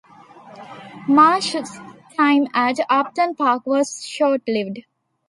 Marsh's time at Upton Park was short-lived.